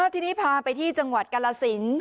ที่นี่พาไปที่จังหวัดกราศิลป์